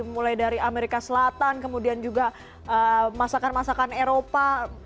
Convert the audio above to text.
mulai dari amerika selatan kemudian juga masakan masakan eropa